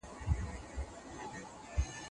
تور او سپین او سره او شنه یې وه رنګونه